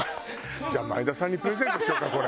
じゃあ前田さんにプレゼントしようかこれ。